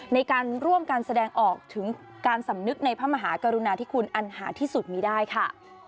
ในการร่วมการแสดงออกถึงการสำนึกในพระมหากรุณาที่คุณอันหาที่สุดมีได้ค่ะ